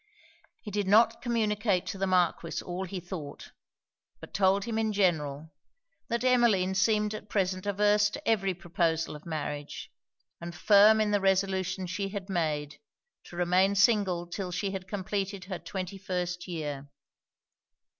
He did not communicate to the Marquis all he thought, but told him in general, that Emmeline seemed at present averse to every proposal of marriage, and firm in the resolution she had made, to remain single 'till she had completed her twenty first year.